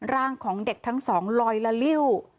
ร่างของเด็กทั้งสองลอยละลิ้ว